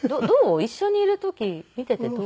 一緒にいる時見ていてどう？